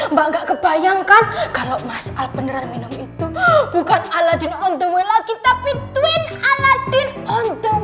mbak gak kebayangkan kalo mas al beneran minum itu bukan aladin on the way lagi tapi twin aladin on the way